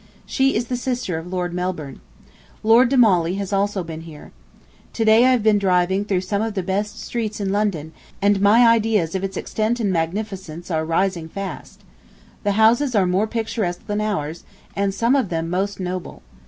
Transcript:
She is the sister of Lord Melbourne. Lord de Mauley has also been here. ... To day I have been driving through some of the best streets in London, and my ideas of its extent and magnificence are rising fast. The houses are more picturesque than ours, and some of them most noble.